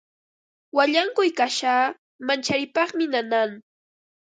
Wallankuy kasha mancharipaqmi nanan.